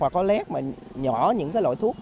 mà có lét mà nhỏ những cái loại thuốc